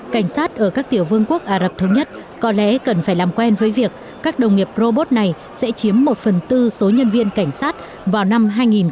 cảnh sát ở các tiểu vương quốc ả rập thống nhất có lẽ cần phải làm quen với việc các đồng nghiệp robot này sẽ chiếm một phần tư số nhân viên cảnh sát vào năm hai nghìn hai mươi